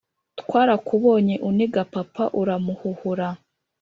twarakubonye uniga papa uramuhuhura,